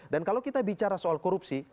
dan kalau kita bicara soal korupsi